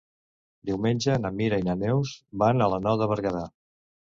Diumenge na Mira i na Neus van a la Nou de Berguedà.